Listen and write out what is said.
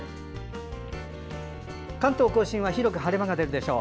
関東・甲信は広く晴れ間が出るでしょう。